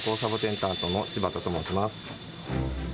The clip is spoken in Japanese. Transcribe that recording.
観光サボテン担当の柴田と申します。